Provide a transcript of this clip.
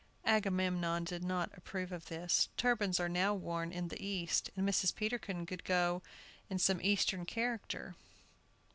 Agamemnon did not approve of this. Turbans are now worn in the East, and Mrs. Peterkin could go in some Eastern character.